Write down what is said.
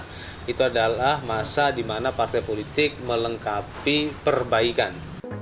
komisi pemilihan umum kpu memberikan kesempatan partai politik melengkapi perbaikan